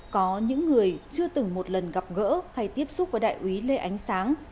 có những người chưa từng một lần gặp gỡ hay tiếp xúc với đại úy lê ánh sáng